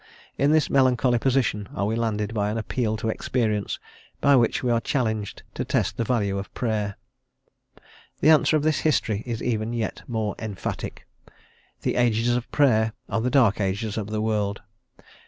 In this melancholy position are we landed by an appeal to experience, by which we are challenged to test the value of Prayer. The answer of history is even yet more emphatic. The Ages of Prayer are the Dark Ages of the world.